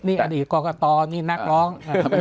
นี่อดีตกรกตนี่นักร้อง